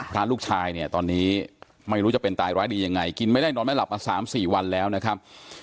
พระลูกชายเนี่ยตอนนี้ไม่รู้จะเป็นตายร้ายดียังไงกินไม่ได้นอนไม่หลับมา๓๔วันแล้วนะครับ